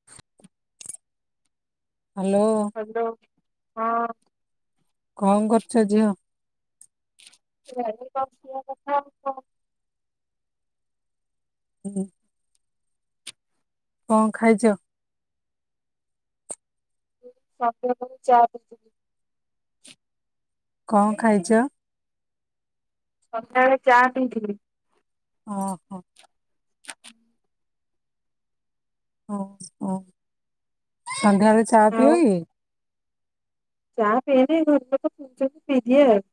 [inaudible] Hello. Hello ହଁ। କଣ କରୁଛ ଝିଅ? ଘରେ ବସିବା କଥା ଆଉ କଣ। ହୁଁ। କଣ ଖାଇଚ? ସନ୍ଧ୍ୟାବେଳେ ଚା ପିଇଥିଲି। କଣ ଖାଇଚ? ସନ୍ଧ୍ୟାବେଳେ ଚା ପିଇଥିଲି। ଓହୋ। ହଁ ହଁ ସନ୍ଧ୍ୟବେଳେ ଚା ପିଅ ଆଉ କି? ଚା ପିଏନି ଘର ଲୋକ ପିଉଛନ୍ତି ପିଇଦିଏ ଆଉ।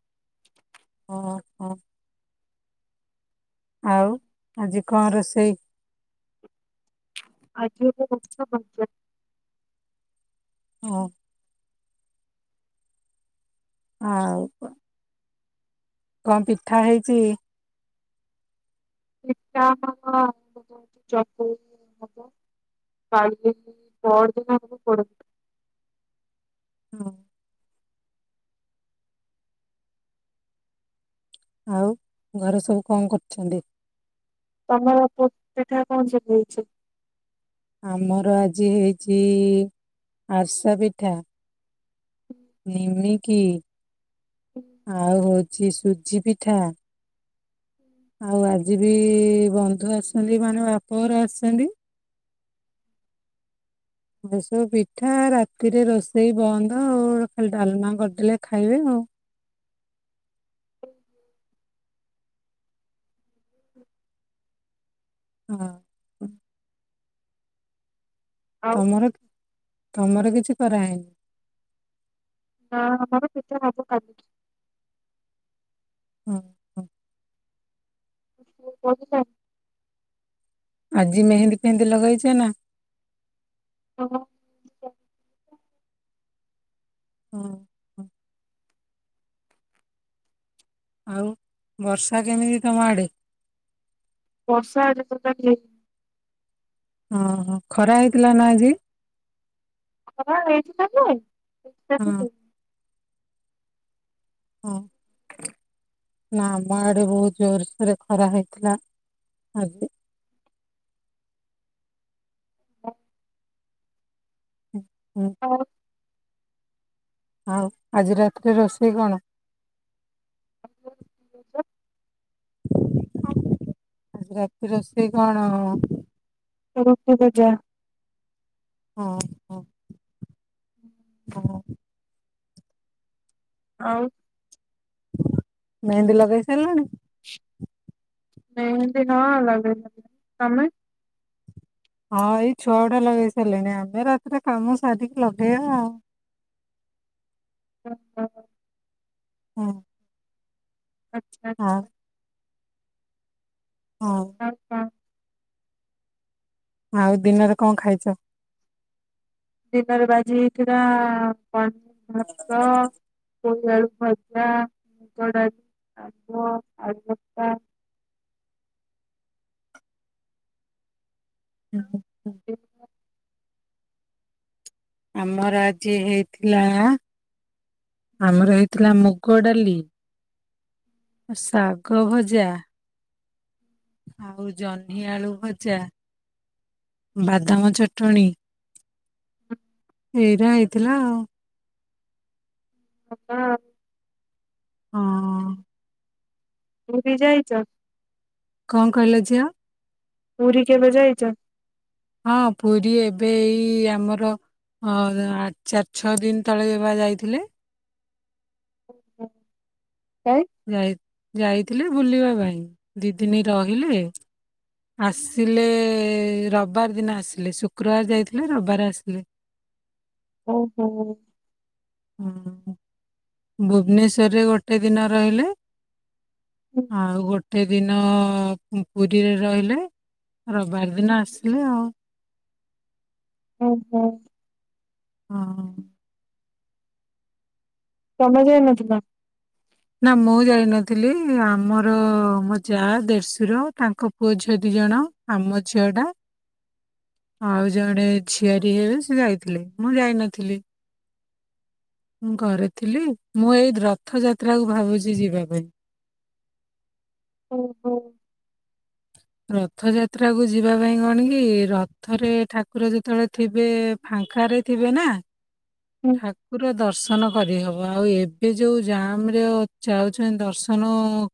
ହଁ। ଆଉ ଆଜି କଣ ରୋଷେଇ? ଆଜି ବୁଟ [unintelligible] ଓଃ। ଆଉ କଣ? କଣ ପିଠା ହେଇଚି? ପିଠା ହବଚକୁଳି ପିଠା ହବ। ପାଞ୍ଚ ଦିନ ପହରଦିନ ହବ ପୋଡ଼ପିଠା। ହଁ। ଆଉ ଘରେ ସବୁ କଣ କରୁଛନ୍ତି। ତମର ସେ ପିଠା କଣ ସବୁ ହେଇଛି। ଆମର ଆଜି ହେଇଛି ଆରସା ପିଠା। ନିମିକି ଆଉ ହଉଛି ସୁଜି ପିଠା। ଆଉ ଆଜି ବି ବନ୍ଧୁ ଆସିଛନ୍ତି ମାନେ ବାପଘର ଆସିଛନ୍ତି। ଏ ସବୁ ପିଠା ରାତିରେ ରୋଷେଇ ବନ୍ଦ ଆଉ ଖାଲି ଡାଲମା କରିଦେଲେ ଖାଇବେ ଆଉ। ହଁ। ଆଉ ତମର ତମର କିଛି କରାହେଇନି। ନା ଆମର ପିଠା ହବ କାଲିକି। ହଁ। ହଁ ତମ ପୁଅ ପଡ଼ିଲାଣି। ଆଜି ମେହେନ୍ଦୀ ଫେହେନ୍ଦି ଲଗେଇଛ ନା। ଓହୋ। ହଁ। ହଁ ଆଉ ବର୍ଷା କେମିତି ତମ ଆଡେ। ବର୍ଷା ଆଜି ଏତେ ଟାବି ହେଇନି। ଓହୋ ଖରା ହେଇଥିଲା ନା ଆଜି‌। ଖରାପ ହେଇଥିଲା ଏତେ ବି ହଁ ନୁହେଁ। ହଁ। ନା ଆମ ଆଡେ ବହୁତ ଜୋରସୋରେ ଖରା ହେଇଥିଲା ଆଜି। ହ। ହଁ ହୁଁ। ହଉ। ଆଉ ଆଜି ରାତିରେ ରୋଷେଇ କଣ‌। ରହୁଛି। ଆଜି ରାତି ରୋଷେଇ କଣ। ରୁଟି ଭଜା। ଓହୋ। ହୁଁ। ହଁ ଆଉ। ମେହେନ୍ଦୀ ଲଗେଇ ସାରିଲାଣି। ମେହେନ୍ଦି ନା ଲଗେଇ ସାରିଲିଣି ତମେ। ହଁ ଏଇ ଛୁଆ ଗୁଡା ଲଗେଇ ସାରିଲେଣି ଆମେ ରାତିରେ କାମ ସାରିକି ଲଗେଇବା ଆଉ। ହ ହ। ହଁ। ଆଚ୍ଛା ଆଛା। ଆଉ ହଁ। ଆଉ କଣ। ଆଉ ଦିନରେ କଣ ଖାଇଛ। ଦିନରେ ବା ଆଜି ହେଇଥିଲା କଣତ ଭାତ। ପୋଇଆଳୁ ଭଜା ମୁଗଡାଲି ଆମ୍ବ ଆଳୁଚକଟା। ଓହୋ। ତୁମର। ଆମର ଆଜି ହେଇଥିଲା ଆମର ହେଇଥିଲା ମୁଗ ଡାଲି। ଶାଗ ଭଜା। ଆଉ ଜହ୍ନି ଆଳୁ ଭଜା। ବାଦାମ ଚଟଣୀ ଏଇଗୁରା ହେଇଥିଲା ଆଉ। ବଢିଆ ଆଉ। ହଁ। ପୁରୀ ଯାଇଚ? କଁ କହିଲ ଝିଅ? ପୁରୀ କେବେ ଯାଇଚ? ହଁ ପୁରୀ ଏବେ ଏଇ ଆମର ହ ଆ ଚାରି ଛଅ ଦିନ ତଳେ ଇଏ ବା ଯାଇଥିଲେ। କାଇଁ? ଯାଇ ଯାଇଥିଲେ ବୁଲିବା ପାଇଁ ଦି ଦିନି ରହିଲେ ଆସିଲେ ରବିବାର ଦିନ ଆସିଲେ, ଶୁକ୍ରବାର ଯାଇଥିଲେ ରବିବାର ଆସିଲେ। ଓହୋ। ହୁଁ ଭୁବନେଶ୍ୱରରେ ଗୋଟେ ଦିନ ରହିଲେ। ଆଉ ଗୋ ଗୋଟେ ଦିନ ପୁରୀରେ ରହିଲେ, ରବିବାର ଦିନ ଆସିଲେ ଆଉ। ଓହୋ। ହଁ। ତମେ ଯାଇ ନଥିଲ? ନା ମୁଁ ଯାଇ ନଥିଲି, ଆମର ମୋ ଯା, ଦେଢଶୂର ତାଙ୍କ ପୁଅ ଝିଅ ଦି ଜଣ। ଆମ ଝିଅଟା। [inaudible] ଆଉ ଜଣେ ଝିଆରୀ ହେବେ ସେ ଯାଇଥିଲେ, ମୁଁ ଯାଇନଥିଲି। ମୁଁ ଘରେ ଥିଲି, ମୁଁ ଏଇ ରଥଯାତ୍ରାକୁ ଭାବୁଚି ଯିବା ପାଇଁ। ଓହୋ। ରଥଯାତ୍ରାକୁ ଯିବା ପାଇଁ କଣ କି, ରଥରେ ଠାକୁର ଯେତେବେଳେ ଥିବେ ଫାଙ୍କାରେ ଥିବେ ନା, ହୁଁ ଠାକୁର ଦର୍ଶ ଦର୍ଶନ କରିହବ, ଆଉ ଏବେ ଯୋଉ ଜାମରେ ଅ ଯାଉଛନ୍ତି ଦର୍ଶନ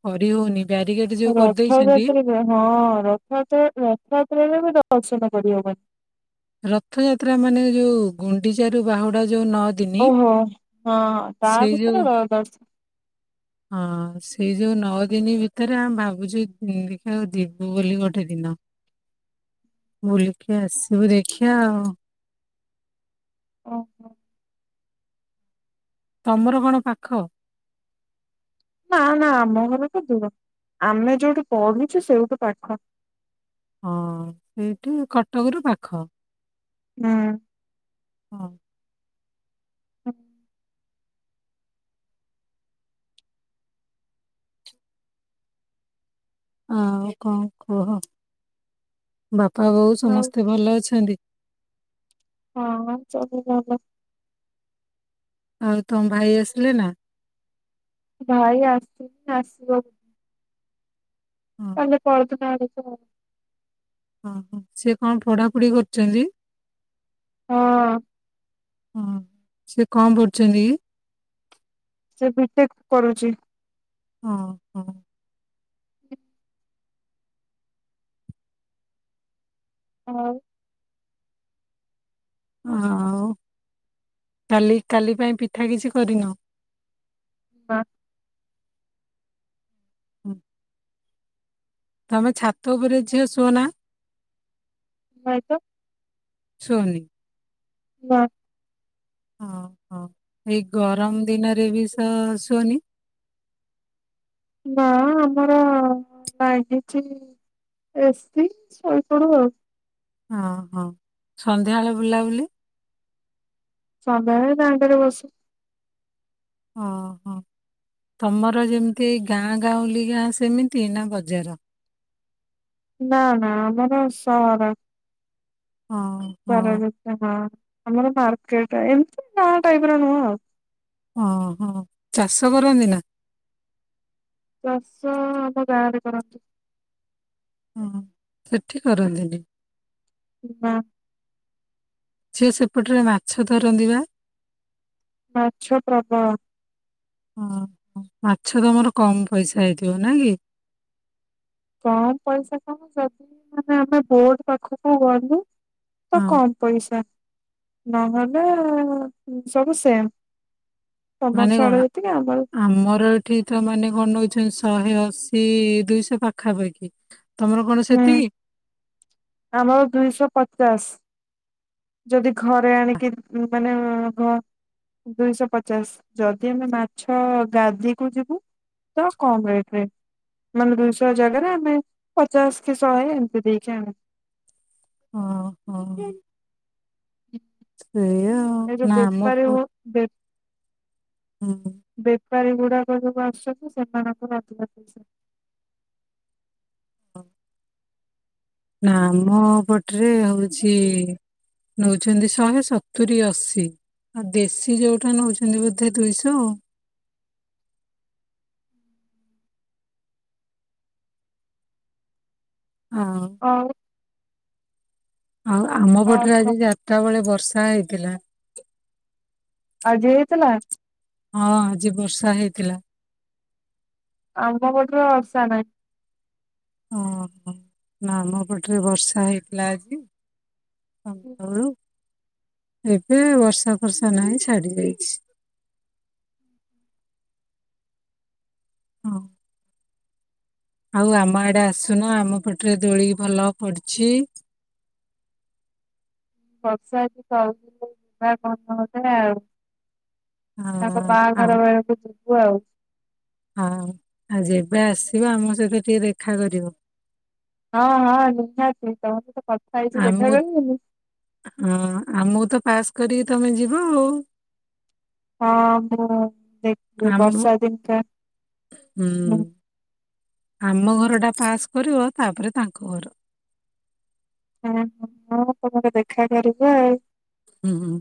କରିହଉନି ବ୍ୟାରିକେଡ ଯୋଉ କରିଦେଇଛନ୍ତି ରଥଯାତ୍ରାରେ ହଁ ରଥଯାତ୍ରା ରଥଯାତ୍ରାରେ ବି ଦର୍ଶନ କରିହବନି। ରଥଯାତ୍ରା ମାନେ ଯୋଉ ଗୁଣ୍ଡିଚାରୁ ବାହୁଡା ଯୋଉ ନ ଓହୋ ହଁ ତା ଯୋଉ ଭିତରେ ଦର୍ଶ ହଁ ସେଇ ଯୋଉ ନଅ ଦିନି ଭିତେରେ ଆମ ଭାବୁଚୁ ଉଁ ଦେଖିବାକୁ ଯିବୁ ବୋଲି ଗୋଟେ ଦିନ। [inaudible] ବୁଲିକି ଆସିବୁ ଦେଖିଆ ଆଉ। ଓହୋ। ତମର କଣ ପାଖ? ନା ନା ଆମ ଘର ତ ଦୂର, ଆମେ ଯୋଉଠି ପଢୁଛୁ ସେଇଠୁ ପାଖ। ହଁ ସେଇଠି କଟକରୁ ପାଖ। ହୁଁ। ହଁ। [unintelligible] ଆଉ କଁ କୁହ ବାପା ବୋଉ ଆଉ ସମସ୍ତେ ଭଲ ଅଛନ୍ତି? ଓହୋ [unintelligible] ଭଲ। ଆଉ ତମ ଭାଇ ଆସିଲେ ନା? ଭାଇ ଆସିନି ଆସିବ। ହଁ ତାଙ୍କ କୋଳଥ [unintelligible] ଓହୋ ସିଏ କଁ ପଢାପଢି କରୁଚନ୍ତି? ହଁ। ହଁ ସେ କଁ ପଢୁଚନ୍ତି କି? ସେ ବି ଟେକ କରୁଚି। ହଁ, ହଁ। ଆଉ ଆଉ, କାଲି କାଲି ପାଇଁ ପିଠା କିଛି କରିନ? ହଁ। ହୁଁ। ତମେ ଛାତ ଉପରେ ଝିଅ ଶୁଅନା। ନାଇଁ ତ। ସୁଅନି! ନା। ଅଁ ହଁ ଏଇ ଗରମ ଦିନରେ ବି ସ ଶୁଅନି। ନା ଆମର ଲାଗିଛି। ଏସି ସୋଇ ପଡୁ ଆଉ। ହଁ, ହଁ ସନ୍ଧ୍ୟାବେଳେ ବୁଲାବୁଲି। ସାନ୍ଧ୍ୟବେଳେ ଦାଣ୍ଡ ରେ ବସୁ। ଓହୋ ତମର ଯେମିତି ଏଇ ଗାଁ ଗାଉଁଲିିକା ସେମିତି ନା ବଜାର। ନା ନା ଆମର ସହର ସାର ହଁ ଆମର ମାର୍କେଟ ଏମିତି ଗାଁ ଟାଇପ ର ନୁହଁ ଆଉ। ଓହୋ ଚାଷ କରନ୍ତି ନା। ଚାଷ ଆମ ଗାଁ ରେ କରନ୍ତି। ହୁଁ ସେଠି କରନ୍ତିନି। ବା ସିଏ ସେପଟରେ ମାଛ ଧରନ୍ତି ବା। ମାଛ ପ୍ରବଳ। ଓ ହ ମାଛ ତମର କମ ପଇସା ହେଇଥିବ ନା କି? କମ ପଇସା କ'ଣ ଯଦି ମାନେ ଆମେ ବୋଟ ପାଖକୁ ଗଲୁ ତ ହଁ କମ ପଇସା ନହେଲେ ସବୁ ସେମ୍। ତମର ମାନେ ସାଢେ କ'ଣ ଯେତିକି ଆମର ଆମର ଏଠି ତ ମାନେ କ'ଣ ଦଉଛନ୍ତି? ଶହେ ଅଶୀ ଦୁଇଶ ପାଖାପାଖି। ତମର କ'ଣ ହୁଁ ସେତିକି? ଆମର ଦୁଇଶ ପଚାଶ। ଯଦି ଘରେ ଆଣିକି ମାନେ ଘ ଦୁଇଶ ପଚାଶ ଯଦି ଆମେ ମାଛ ଗାଧିକୁ ଯିବୁ ତ କମ ରେଟ ରେ। ମାନେ ଦୁଇଶ ଜାଗାରେ ଆମେ ପଚାଶ କି ଶହେ ଏମିତି ଦେଇକି ଆଣୁ। ହଁ ହଁ ସେୟା। ଏ ଯେଉ ବେପାରୀ ହ ବେପ ହୁଁ ହୁଁ। ବେପାରୀ ଗୁଡାକ ଯୋଉ ଆସୁଛନ୍ତି। ସେମାନଙ୍କ ପାଖରେ। ହ। ନା ଆମ ପଟରେ ହଉଛି। ନେଉଛନ୍ତି ଶହେ ସତୁରି ଅଶୀ। ଆଉ ଦେଶୀ ଯୋଉଟା ନଉଛନ୍ତି ବୋଧେ ଦୁଇଶ। ହଁ। ହଉ। ଆଉ ଆମ ଆଉ ପଟରେ ଆଜି କଣ ଚାରିଟା ବେଳେ ବର୍ଷା ହେଇଥିଲା। ଆଜି ହେଇଥିଲା? ହଁ ଆଜି ବର୍ଷା ହେଇଥିଲା। ଆମ୍ବ ପଠର ବର୍ଷା ନାଇ। ଓହୋ ନା ଆମ ପଟରେ ବର୍ଷା ହେଇଥିଲା ଆଜି। ଘଣ୍ଟ ଅଳୁ ଏବେ ବର୍ଷା ଫର୍ଷା ନାହିଁ ଛାଡି ଯାଇଚି। ହଁ। ଆଉ ଆମ ଆଡେ ଆସୁନ ଆମ ପଟରେ ଦୋଳିି ଭଲ ପଡିଛି। ବର୍ଷା [unintelligible] ଆ ତାଙ୍କ ଆଉ ବାହାଘର ବେଳକୁ ଯିବୁ ଆଉ। ହଁ ଆଉ ଯେବେ ଆସିବ ଆମ ସହିତ ଟିକେ ଦେଖା କରିବ। ହଁ ହଁ ନିହାତି ତମକୁ ତ କଥା ହେଇଛି ଦେଖା ଆମକୁ କରିବିନି। ହଁ ଆଉମକୁ ତ ପାସ୍ କରିକି ତମେ ଯିବ ଆଉ। ହଁ ମୁଁ ଦେଖି ଆମ ବର୍ଷା ଦିନକା ହୁଁ ଆମ ଘରଟା ପାସ୍ କରିବ ତାପରେ ତାଙ୍କ ଘର। ହଁ ହଁ ହଁ ତମର ଦେଖା କରିବି ଆଉ ହୁଁ ହୁଁ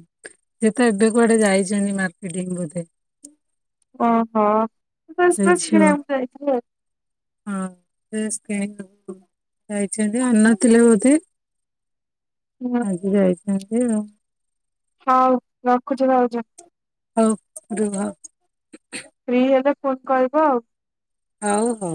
ସେ ତ ଏବେ କୁଆଡେ ଯାଇଛନ୍ତି ମାର୍କେଟିଂ ବୋଧେ। ଓହୋ ବାସ ସେ ବାସ ଝିଅ। କିଣଆକୁ ଯାଇଥିବେ। ହଁ ଡେସ କିଣିଆ କୁ। ଯାଇଛନ୍ତି ଅନ ଥିଲେ ବୋଧେ ଆଉ। ଆଜି ଯାଇଛନ୍ତି ଆଉ। ହଉ ରଖୁଛି ଭାଉଜ। ହଉ ରୁହ। ଫ୍ରି ହେଲେ ଫୋନ୍ କରିଵ ଆଉ। ହଉ ହଉ।